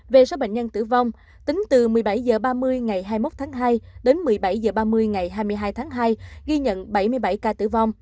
về số bệnh nhân tử vong tính từ một mươi bảy h ba mươi ngày hai mươi một tháng hai đến một mươi bảy h ba mươi ngày hai mươi hai tháng hai ghi nhận bảy mươi bảy ca tử vong